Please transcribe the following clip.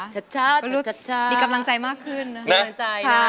ชัดชัดมีกำลังใจมากขึ้นนะฮะ